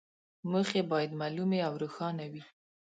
موخې باید معلومې او روښانه وي.